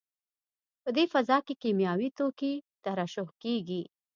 په دې فضا کې کیمیاوي توکي ترشح کېږي.